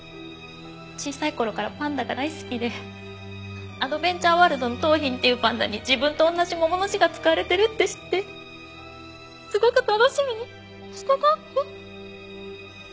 小さい頃からパンダが大好きでアドベンチャーワールドの桃浜っていうパンダに自分と同じ「桃」の字が使われてるって知ってすごく楽しみにしてたので。